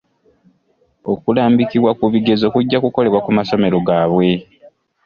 Okulambikibwa ku bigezo kujja kukolebwa ku masomero gaabwe.